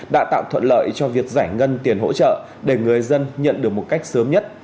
đã tạo thuận lợi cho việc giải ngân tiền hỗ trợ để người dân nhận được một cách sớm nhất